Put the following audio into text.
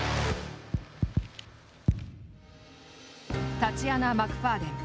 タチアナ・マクファーデン。